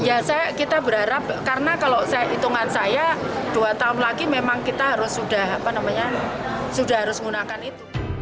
ya kita berharap karena kalau hitungan saya dua tahun lagi memang kita harus sudah apa namanya sudah harus menggunakan itu